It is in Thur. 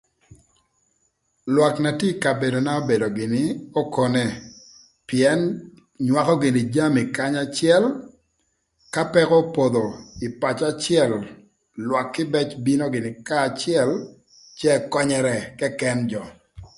Lwak na tye ï kabedona obedo gïnï okone pïën nywakö gïnï jami kanya acël, ka pëkö opodho ï pacö acël lwak kïbëc bino gïnï kanya acël cë ëkönyërë këkën jö.